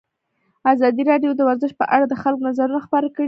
ازادي راډیو د ورزش په اړه د خلکو نظرونه خپاره کړي.